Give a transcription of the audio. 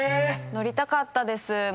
乗りたかったです。